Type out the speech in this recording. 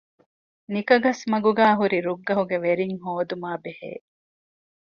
ނިކަގަސްމަގުގައި ހުރި ރުއްގަހުގެ ވެރިން ހޯދުމާބެހޭ